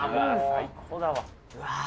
最高だわ。